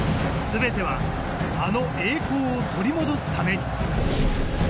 すべてはあの栄光を取り戻すために。